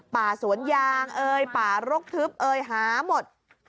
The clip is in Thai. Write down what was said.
ป่าสวนยางป่ารกทึบหาหมด